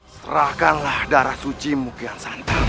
serahkanlah darah suci mu kian santan